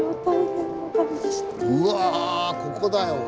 うわここだよ。